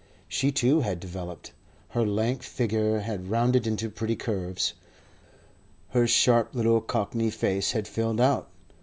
She too had developed. Her lank figure had rounded into pretty curves. Her sharp little Cockney face had filled out.